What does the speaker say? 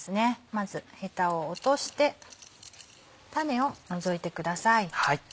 まずヘタを落として種を除いてください。